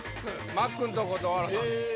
マックんとこと小原さん。